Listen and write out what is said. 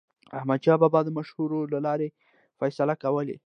احمدشاه بابا به د مشورو له لارې فیصلې کولې.